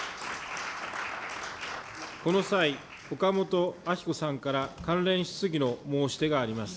この際、岡本あき子さんから関連質疑の申し出があります。